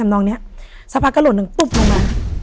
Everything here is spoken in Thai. น้องนี้สักพักก็หล่นหนึ่งตุ๊บลงมา